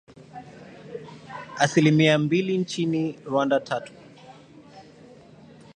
asilimia mbilinchini Rwanda tatu